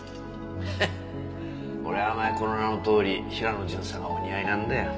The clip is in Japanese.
ハッ俺はお前この名のとおりヒラの巡査がお似合いなんだよ。